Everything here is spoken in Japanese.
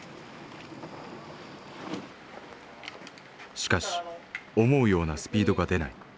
しかし思うようなスピードが出ない。